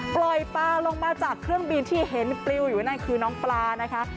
ปล่อยปลาลงมาจากเครื่องบินที่เห็นปลิวอยู่นั่นคือน้องปลานะคะ